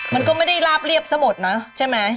มันก็ไม่ได้ลาบเรียบสะบดเนอะใช่ไหม